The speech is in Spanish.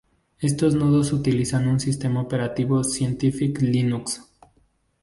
Estos nodos utilizan un sistema operativo Scientific Linux.